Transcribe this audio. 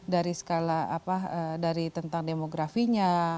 dari skala apa dari tentang demografinya